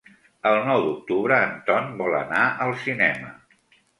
El nou d'octubre en Ton vol anar al cinema.